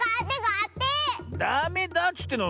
ダメだっつってんの！